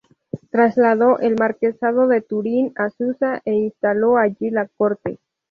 Trasladó el marquesado de Turín a Susa e instaló allí la corte.